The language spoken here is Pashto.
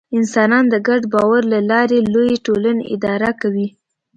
انسانان د ګډ باور له لارې لویې ټولنې اداره کوي.